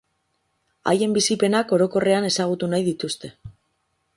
Haien bizipenak orokorrean ezagutu nahi dituzte.